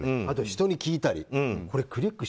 あと人に聞いたり。